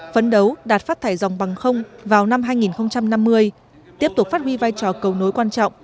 phấn đấu đạt phát thải dòng bằng không vào năm hai nghìn năm mươi tiếp tục phát huy vai trò cầu nối quan trọng